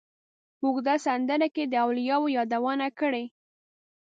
په اوږده سندره کې یې د اولیاوو یادونه کړې.